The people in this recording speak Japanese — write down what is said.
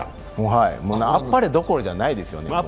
あっぱれどころじゃないですよね。